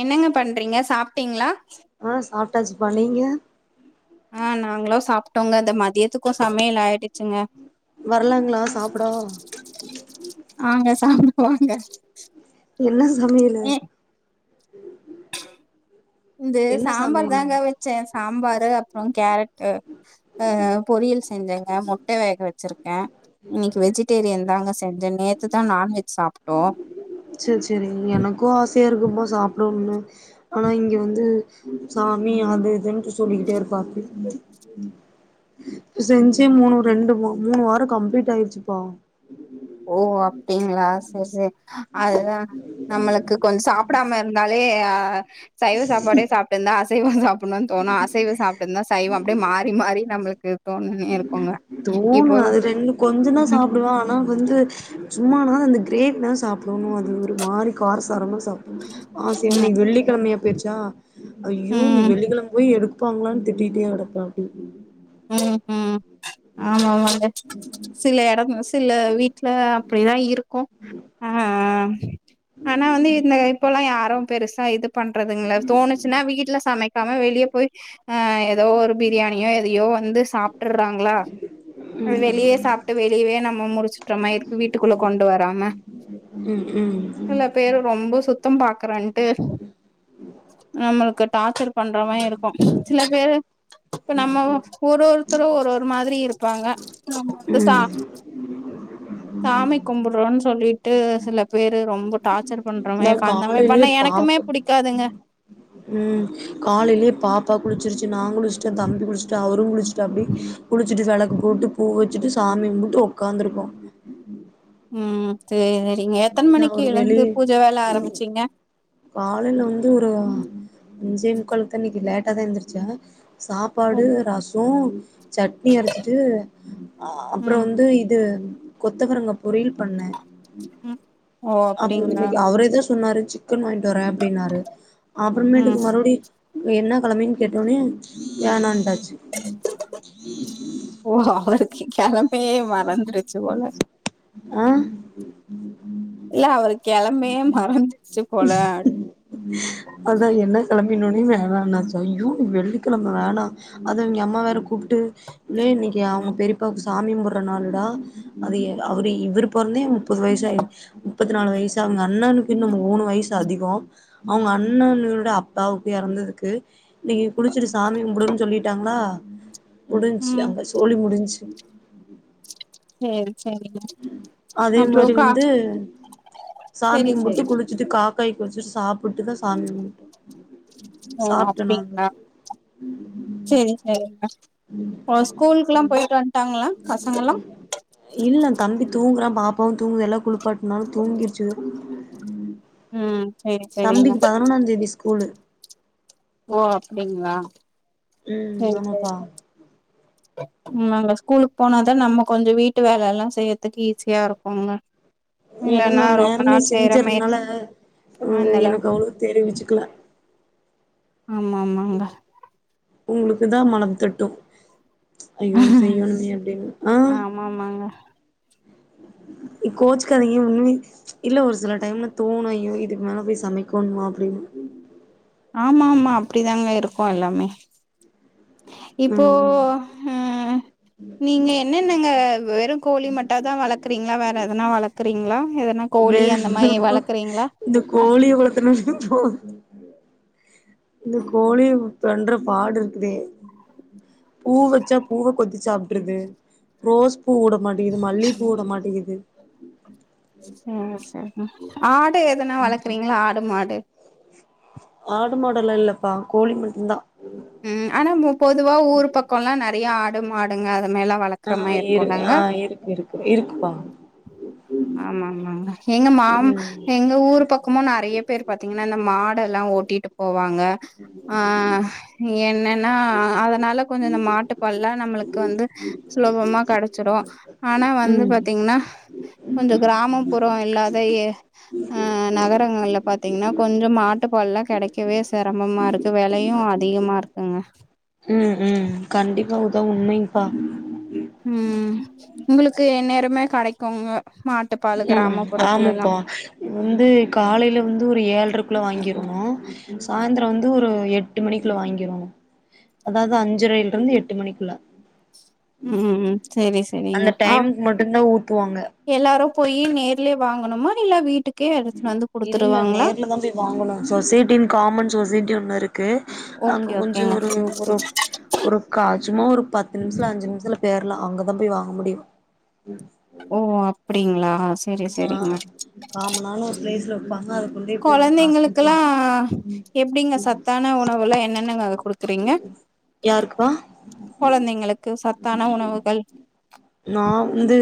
என்னங்க பண்றீங்க சாப்ட்டீங்களா ஆ சாப் டாச்சுப்பா நீங்க ஆ நாங்களு சாப்ட்டோங்க இந்த மதியத்துக்கு சமையல் ஆயிடுச்சுங்க வரலாங்களா சாப்டோ வாங்க என்ன சமையலு [inaudible] இது என்ன சாம்பார் சமையலு தாங்க வச்சே சாம்பரு அப்றோ கேரட்டு ஆ பொறியல் செஞ்சங்க முட்ட வேக வச்சிருக் அ இன்னக்கி வெஜிடேரியன் தாங்க ச செஞ்ச நேத்துதா நான்வெஜ் சாப்ட்டோ சேர் சேரி எனக்கு ஆசையா இருக்குப்பா சாப்டணுனு [inaudible] ஆனா இங்க வந்து சாமி அது இதுன்ட்டு சொல்லிக்கிட்டே இருப்பாங் செஞ்சே மூணு ரெண்டு மு மூணு வாரொ கம்ப்ளீட் ஆயிருச்சுப்பா ஓ அப்டிங்களா சேரி சேரி அததா நம்மளுக்கு கொஞ் சாப் சாப்டாம இருந்தாலே ஆ சைவ சாப்பாடே சாப்ட்டுந்தா அ சைவொ சாப் புன்னோன் தோணு அசைவ சாப்ட்டுந்தா சைவொ அப்டியே மாறி மாறி நம்மளுக்கு தோணிற் தோணு அது ரெண்டு ம் கொஞ்சந்தா சாப்டுவ ஆனா வந்து சும்மானா அந்த கிரேவினா சாப்டணு அது ஒரு மாறி காரசாரமா சாப்புன் ஆசையா ம் இன்னைக்கு வெள்ளிக்கிழமையா போயிருச்சா ஐயோ இன்னைக் ம் வெள்ளிக்கிழம போய் எடுக் எடுப்பாங்ளான் திட்டிட்டே கடப்பாப்புடி உம் உம். ஆமாமாங்க சில எடங். துல்ல வீட்டுல அப்பிடிதா இருக்கு. ம் ஆ ஆனா வந்து இந்த இப்பொல்லா யாரு பெருசா இதுப் பண்றதுங்களா தோணுச்சுன்னா வீட்ல சமைக் இருக்காம வெளிய போய் அ ஏதோ ஒரு பிரியாணியோ எதையோ வந்து சாப்ட்டுறாங்களா அ ம் வெளியே சாப்ட்டு வெளியவே நம்ம முடிச்சு சுற்றாம இருக்கு வீட்டுக்குள்ள கொண்டு வராம ம் சில பேரு ரொம்ப சுத்தம் பாக் பாக்கறன்டு நம்மெளுக்கு டார்ச்சர் பண்ற மாரி இருக்கு சில பேரு இப்ப நம்ம ஒரு ஒருத்தரும் ஒரு ஒரு மாதிரி இருப்பாங்க நம்ம வந்து சா ம் சாமி கும்புடுறோன்னு சொல்லிட்டு சில பேரு ரொம்ப டார்ச் இதா காலேல்லயே பாப்பா புடிக்காதுங்க உம் காலேல்லயே பாப்பா குளிச்சிருச்சு நா குளிச் தம்பி குழுச்சிட்டா. அவுருங் குழுச்சுடாப்படி குழுச்சுட் இது அளக்கு போட்டு பூவ் வெச்சிட்டு சாமி கும்புட்டு உட்காந்துருக்கோ. உம் சேரிங்க. நீங்க எத்தன நா மணிக்கு ஒரு வெளிய எழுந்து பூஜ வேல ம் ஆரம்பிச்சீங்க. அன்ஜே முக்காளுக்குதா இன்னிக்கு லேடா தா எந்துருச்சே சாப்பாடு ம் ரஸ் [unintelligible] சட்னி அரைச்சிட்டு அ அப்புறோ ம் வந்து இது கொத்தவரங்கா பொரியல் பண்ணே உம் அப்புறே இன்னிக்கி அவரே தா சொன்னாரு சிக் க்கன் வாங்கிட்டு வரே அப்டின்னாரு ம் அப்புறமேட்டுக்கு மறுபிடி என்ன கிழமென்னு கேட்டோன்னே வேணான்டாறு ஓ அவர் கெழம்மையே மறந்து டிச்சு போல [unintelligible] இல்ல அவருக்கு கெழமையே மறந்துருச்சு போல கெளம்பினொனே வேணானாச்சு ஐயோ வெள்ளிக்கெழம வேணா அத அவுங்கெ அம்மா வேற கூப்டு நீ இன்னைக்கி அவுங்க பெரியப்பாவுக்கு சாமி கும்புட்ற நாள்டா அது அவரு இவரு பொறந்தே முப்பது வயசு ஆயிருச்சு முப்பத்தி நாலு வயசு அவுங்க அண்ணனுக்கு இன்னு மூணு வயசு அதிகோ அவுங்க அண்ணன்னோட அப்பாவுக்கு இறந்ததுக்கு இன்னைக்கு குடிச்சிட்டு சாமி கும்பிடனு சொல்லிட்டாங்களா முடிஞ்சு ம் அங்க சோழி முடிஞ்சு சேரி சேரிங்க அதே அப்றோ மாரி கா வந்து சாமி சேரி கும்புட்டு சேரி குளிச்சுட்டு காக்காய் க்கு வச்சுட்டு சாப்புட்டுதா சாமி கும்புட்டோ ஓ சாப்ட்டோ நாங்க அப்டிங்களா செரி செரிங்க ஓ ஸ்கூலுக்குல்லா போயிட்டு வன்ட்டாங்களா பசங்கலா ங்குறா பாப்பாவும் தூங்குது எல்லா குளிப்பாட்டுனா தூங்கிடுச்சு உம் தம்பிக்கு பதினொன்னாந் தேதி ஸ்கூலு ஓ அப்டிங்ளா ம் ஆமாப்பா அங்க ஸ்கூலுக்கு போனாதா நம்ம கொஞ்சோ வீட்டு வேலலா செய்றதுக்கு ஈஸியா இருக்குங்க ஏன்னா இல்லன்னா நா ரொம்ப நேரமே நாள் செய்யற மாரி செஞ்சறனால ம் அதனால எனக்கு அவ்ளோ தெரிவிச்சுக்கல ஆமா ஆமாங்க உங்களுக்குதா மனது தட்டும் ஐயோ செய்யணுமே அப்டின்னு ஆஹ் ஆமா ஆமாங்க ஏ கோச்சுக்காதிங்க இன்னு இல்ல ஒரு சில டைம்ல தோணு ஐயோ இதுக்கு மேல போய் சமைக்கோணுமா அப்டின்னு ஆமா ஆமா அப்டிதாங்க இருக்கு எல்லாமே இப்போ ம் ஹ நீங்க என்னன்னங்க வெறு கோழி மட்டாதா வளக்குறீங்களா வேற எத எதனா வளக்குறீங்ளா வேற [unintelligible] இந்த கோழி வளத்தனும் போது இந்த கோழி பன்ற பாடு இருக்குதே பூ வச்சா பூவ கொத்தி சாப்டுறது ரோஸ் பூவுட மாட்டிகுது மல்லி பூவுட மாட்டேகிது ம் ஆ செரிங்கா ஆடு எதனா வளர்க்குறீங்களா ஆடு மாடு ஆடு மாடெல்லா இல்லப்பா கோழி மட்டுந்தா ம் ஆனா பொதுவா ஊர் பக்கோல்லா நெறைய ஆடு மாடுங்க அ ந்த மேல ஆ வளர்க்குற மாரி இரு இருக்குளங்க ஆ இருக்கு இருக்கு இருக்குப்பா ஆமாம்மாங்க எங்க மாம் ம் எங்க ஊர் பக்கமு நெறைய பேர் பாத்தீங் ஆனா இந்த மாடெல்லா ஓட்டிட்டு போவாங்க அஹ் ம் என்னன்னா அதனால கொஞ்சோ இந்த மாட்டுப் பால்லா நம்மளுக்கு வந்து சுலபமா கெடச்சுரு ஆனா வந்து ம் பாத்தீங்ன்னா கொஞ்சொ கிராமம்புறம் இல்லாத ஏ அஹ் நகரங்கள்ல பாத்தீங்ன்னா கொஞ்சம் மாட்டுப்பால்லா கெடைக்கவே செரமமாரிக்கு வெலயும் அதி திகமா இருக்குங்க ம் ம் கண்டிப்பா உதவ் உண்மைங்பா ம் உங்களுக்கு எந்நேரமே கெடைக்குங்க மாட்டுப்பாலு ம் கிராமப்புறத்துலல்லா ஆமம்ப்பா உந்து காலேல வந்து ஒரு ஏழ்ரக்குள்ள வாங்கிருணு சாய்ந்தர வந்து ஒரு எட்டு மணிக்குல வாங்கிரனு அதாவது அஞ்சரையில் இருந்து எட்டு மணிக்குள்ள ம் செரி செரிங்க அந்த ஆஹ் டைமுக்கு மட்டுந்தா ஊத்துவாங்க எல்லாரு போயி நேர்லே வாங்குணுமா இல்ல வீட்டுக் இல்ல நேர்லதா போய் வாங்கணு சொசைட்டின் காமன் சொசைட்டி ஒன்னு ருக் கு அங்க ஓகே கொஞ்ச ஓகேங்க ஒரு ஒரு ஒரு கா சும்மா ஒரு பத்து நிம்ஷ்ல அஞ்சு நிம்ஷ்த்ல தேர்லா அங்கதா போய் வாங்க முடியு ஓ அப்பிட் டிங்களா ஆ காமனான ஒரு ப்ளேஸ்ல [unintelligible] கொண்டே போய் ஒ காஸ் குடுத்து கொழந்தைங்களுக்குல்லா வாங்குனு எப்டிங்க ம் சத்தான உணவுல்லா என்னென்னங்க குடுக்குறீங்க யாருக்குபா கொழந்தைங்களுக்கு சத்தான உணவுகள் நா வந்து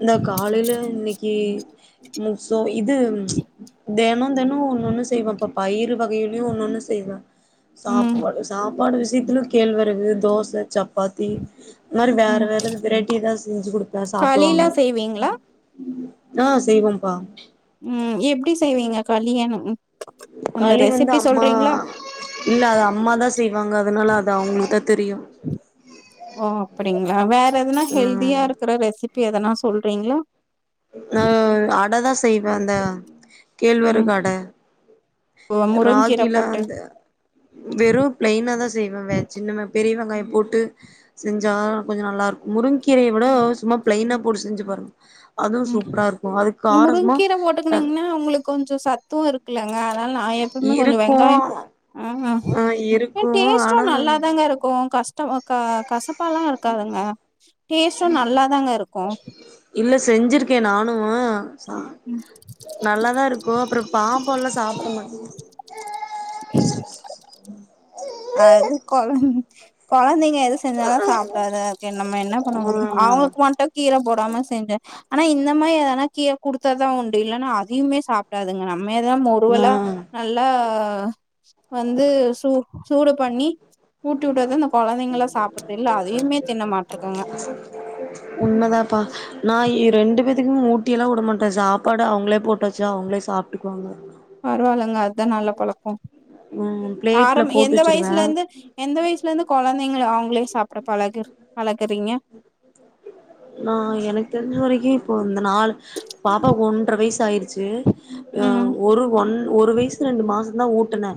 இந்த காலேல இன்னிக் இ முசோவி இது தெனோந் தெனோ ஒன்னொன்னு செய்வன் பப் பயிறு வகைகலியு ஒன்னொன்னு செய்வ ம் சாப்பாடு சாப் ப்பாடு விஷயத்துல கேழ்வரகு தோச சப் பாத்தி இந்த் மாரி வேற ம் வேற வெரைட்டிதா செஞ்சிக் குடுப்பேன் சாப்டுவாங்க களிலா செய்வீங்களா ஆ செய்வம்ப்பா ம் எப்டி செய்வீங்க களியெலும் களி வந்து அம்மா இல்ல அத அம்மாதா செய் வாங்க அதனால அத அவங்கள்க்குதா ஓ அப்டிங் நவே கெதுனா ஹெல்தியா ம் இருக்குற ரெசிப் ப்டி எதனா சொல்றீங்களா ஆ அட தா செய்வே அந்த கேழ்வரகு ம் அட முருங்கீர ராகில போட்டு அந்த வெறும் ப்லேயின்னாதா செய்வே வெ சின்ன பெரிய வெங்காயம் போட்டு செஞ்சா கொஞ்ச நல்லா இருக்கும் முருங்கீரய விட சும்மா ப்லேயினா போட்டு செஞ்சு பாருங்க அதுவு உம் சூப்பரா இருக்கு அது நீ காரசமா முருங்கீர போட்டுக்னீங்கன்னா உங்களுக்கு கொஞ்சோ சத்து இருக்குல ஆ,. அதனால நா எப்போமே கொஞ்சோ இருக்கு வெங்காயோ ஆ உ இருக்கு ஆனா டேஸ்டும் நல்லாதாங்க இருக்கு கஷ்ட த.. க கசப்பலா இருக்காதுங்க டேஸ்டு நல்லாதாங்க இருக்கு இல்ல செஞ்சிருக்க நானு ச நல்லாதா இருக்கு அப்ரோ பாப்பாலா சாப்ட மா [inaudible] அது கொழந் கொழந்தைங்க எது செஞ்சாலு சாப்டாதுஅ நம்ம என்ன பண்ண முடியு அவங்ளுக்கு மட்டு கீர போடாம செஞ்சே ஆனா இந்த மாரி ஏனா கீர குடுத்தாதா உண்டு இல்லன்னா அதயுமே சாப்டாதுங்க நம் மேதா ஆ முருவெலா ஆ நல்லா வந்து சு.. சூடு பண்ணி ஊட்டி விட்டாத மாட்ருக்குங்க உண்மதாப்பா நா இ.. ரெண்டு பேத்துக் ஊட்டியெல்லா வுட மாட்ட சாப்பாடு அவுங்ளே போட்டச்சு அவுங்களே சாப்ட்டுக்குவாங்க பரவாலங்க அதான் நல்ல பலக்கம் ம் பிளேட்ல ஆரம் போட்டு எந்த வச்சிருவே வயசுல இந்து எந்த வயசுல இருந்து கொழந்தைங்கள அவுங்களே சாப்ட பலகு பலகு நா எனக்கு தெரிஞ்ச வரைக்கு இப்போ இந்த நாலு பாப்பாக்கு ஒன்ற வயசு தாயிடுச்சு ஆ.. ம் ஒரு ஒன் ஒரு வயசு ரெண்டு மாச தா ஊட்டுனே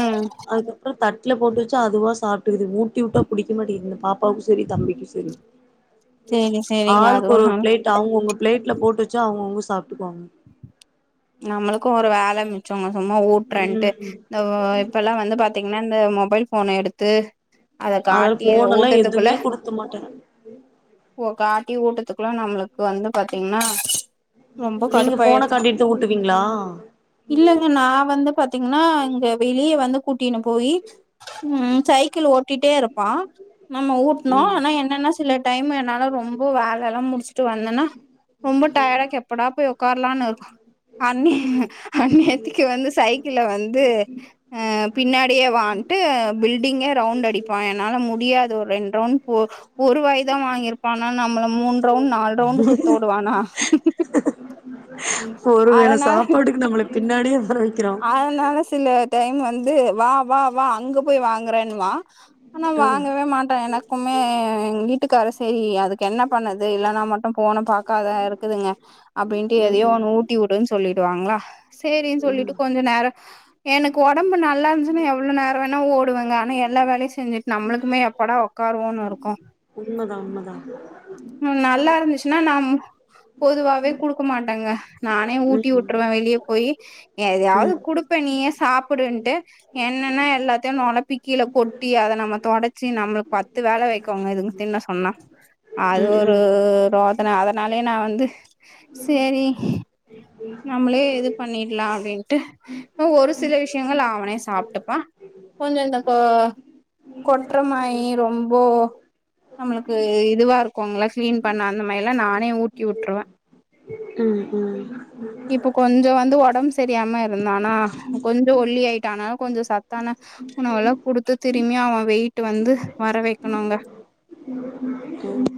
ம் அதுக்கப்ரோ தட்ல போட்டு வச்சு அதுவா சாப்ட்டுக்குது ஊட்டி வுட்டா புடிக்க மாட்டிக்குது இந்த பா பாவுக்கு செரி தம்பிக்கு செரி சேரி சேரிங்க ஆளுக்கு அதுவு ஒரு ஒரு நல் ப்ளேட் அவங்கவங்க ப்ளேட்ல போட்டுவச்ச அவங்கவங்க சாப்ட்டுக்குவாங்க நம்ளுக்கு ஒரு வேல மி சும்மா ஊட்றன்ட்டு ம் இந்த இப்பெல்லா வந்து பாதீங்கன்னா இந்த மொபைல் போன எடுத்து அத அதால காட்டி போன எல்லா ஊட்டத்துக்குள்ள எதுமே குடுக்க மாட்ட டி ஊட்டத்துக்குள்ளா நம்மளுக்கு வந்து பாத்தீங்கன்னா ரொம்ப நீங்க கடுப்பாயிருது போன காட்டிடுதா ஊட்டு இல்லங்க நா வந்து பாத் பாதீங்கன்னா இங்க வெளியே வந்து கூட்டினு போயி உம் சைக்கிள் ஓட்டிட்டே இருப்பா நம்ம ஊட்னு ம் ஆனா என்னென்னா சில டைம் என்னால ரொம்ப வேல எல்லாம் முடி ச்சுட்டு வந்தனா ரொம்ப டயடாருக்கு எப்படா போய் உக்காரலான்னு இருக்கு அன்னி அன்னியாத்துக்கு வந்து சைக்கிள்ள வந்து அஹ் பின்னாடியே வான்ட்டு பில்டிங்கே ரவுண்டு அடிப்பான் என்னால முடி முடியாது ஒரு ரெண்ரவுன் ஒ ஒரு வாய்தா வாங்கிருப்பா ஆனா நம்மள மூண் ரவுண்ட் நாலு ரவுண்ட் சுத்த விடுவானா ஒருவேல சாப்பாட்க்கு நம்மள பின்னாடியே வர வைக்கிறா அதனால சில டைம் வந்து து வா வா வா அங்க போய் வாங்குறேன்னுவா ஆனா ஆ வாங்கவே மாட்டா எனக்குமே எங் வீட் க்காரு செரி அதுக்கு என்ன பண்ணுது இல்லன்னா மட்டும் போன பக்காதா இருக்குதுங்க அப்டின்ட்டு எதையோ ம் ஒண்ணு ஊட்டி விடுன்னு சொல்லிட் வாங்களா சேரின்னு ம் சொல்லிட்டு கொஞ்சம் நேரம் எனக்கு ஒடம்பு நல்லா இருந்துச்சுன்னா எவ்ளோ நேரம் வேணா ஓடுவேங்க ஆனா எல்லா வேலயும் செஞ்சுட்டு நம்மளுக்குமே எப்படா உக்காருவோன்னு இருக்கு உண்மதா உண்மதா நல்லா இருந்துச்சுன்னா நம் பொதுவாவே குடுக்க மாட்டங்க நானே ஊட்டி ம் வுட்டுருவ வெளிய போயி ம் எதையாவது ம் குடுப்ப நீ யா சாப்பிடுன்டு என்னென்னா எல்லாத்தையும் நுளப்பி கீழ கொட்டி அத நம்ம தொடச்சு நம்மளுக்கு பத்து வேல வைக்குங்க இதுங்க தின்ன சொன்னா அது ஒரு ம் ரோதன அதனாலயே நான் வந்து சேரி நம்மளே இது பண்ணிடலாம் அப்டின்டு ஒரு சில விஷயங்கள் அவனே சாப்டுப்பா கொஞ்சம் இந்த கொ கொட்ற மாரி ரொம்போ நம்மளுக்கு இதுவா இருக்கும்ள கிளீன் பண்ண அந்த மாரில்லா நானே ஊட்டி விட்டுருவ ம் ம் இப்ப கொஞ்சம் வந்து ஒடம்பு ச தெரியாம இருந்தனா கொஞ்சம் ஒல்லி ஆயிட்டா ஆனால கொஞ்சம் சத்தான உணவு எல்லாம் குடுத்து திரும்பியும் அவன் வெயிட்டு வந்து வர வைக்கணும்ங்க ம்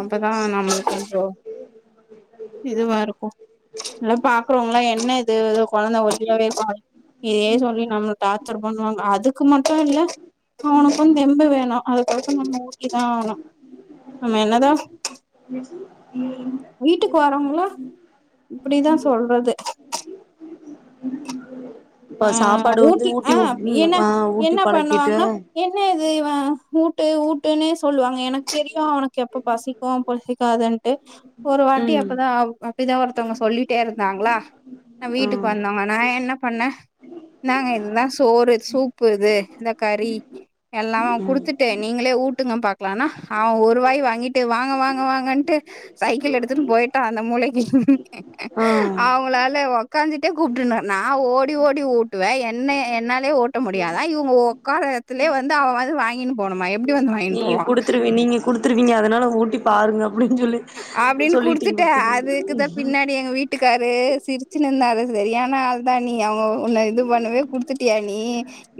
அப்பதா நம்ம கொஞ்சம் இதுவா இருக்கும் இல்ல பாக்குறவங்களா என்ன இது கெழந்தை ஒல்லியாவே இருக்கான் இதையே சொல்லி நம்மள டார்சர் பண்ணுவாங்க அதுக்கு மட்டும் இல்ல அவனுக்கும் தெம்பு வேணு அதுக்கொசரம் நம்ம ஊட்டிதா ஆகணும் நம்ம என்னதா [inaudible] வரவுங்களா இப்டிதா சொல்றது இப்ப ஆ சாப்பாடு வந்து ஊட்ல ஆ ஊட்டி விடு என்ன ஆ ஊட்டி பழக்கிட்டு இவன் ஊட்டு ஊட்டுன்னே சொல்லுவாங்க எனக்கு தெரியு அவனுக் கெப்ப பசிக்கு பசிக் காதுன் டு ஒரு வாட்டி ம் அப்பதா அப்டிதா ஒருத்தவங்க சொல்லிட்டே இருந் நாங்களா ஆ வீட்டுக்கு வந்தாங்க நான் என்ன பண்ணே நாங்க இதுதா சோறு சூப்பு இது இந்த கறி எல்லா ம் குடுத்துட்டு நீங்களே ஊட்டுங்க பாக்கலானா அவன் ஒருவாய் வாங்கிட்டு வாங்க வாங்க வாங்கன்ட்டு சைக்கிள் எடுத்துட்டு போயிட்டான் அந்த மூளைக்கி ஆ அவுங்களால உக்காந்துட்டே [unintelligible] நா ஓ டி ஓடி ஊட்டுவா என்ன என்னாலே ஓட்ட முடியாதா இவுங்க உக்காந்த இடத்துலே வந்து அவ வந்து வாங்கினு போனுமா எப் நீ குடுத்துருவி நீங்க குடுத் ருவீங்க அதனால ஓட்டி பாருங்க அப்படின்னு சொல்லி அப்பிடின்னு சொல்லிட்டீங்க குடுத்துட்டே அதுக்குதான் குடுத்துருவீங்க பின்னாடி எங்க வீட்டுக்காரு சிரிச்சுன்னு இருந்தாரு சரியான ஆள் தான் நீ அவங்க உன்னை இது பண்ணவே குடுத்துட்டியா நீ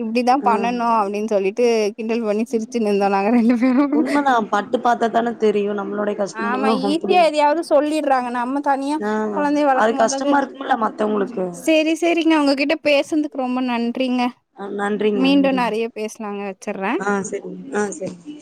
இப்பிடி தான் ஆ பண்ணனும் அப்பிடின்னு சொல்லிட்டு கிண்டல் பண்ணி சிரிச்சுனு இருந்தோம் நாங்க ரெண்டு பேரு உண்மதான் பட்டு பாத்தா தான தெரியும் நம்மளோடைய கஷ்டமும் ஆமா எதையாவது சொல்லிடுறாங்க நம்ம தனியா ஆ கொழந்தய அது வளர்க்கும் போது கஷ்டமா இருக்கும்ல மத்தவங்களுக்கு செரி செரி நீங்க உங்ககிட்ட பேசுனதுக்கு ரொம்ப நன் ஆஹ் நன்றிங்க நன்றிங்க பேசலாங்க வச்சர்றே ஆஹ் சரிங்க ஆஹ் சரி